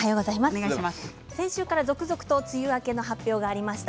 先週から続々と梅雨明けの発表がありました。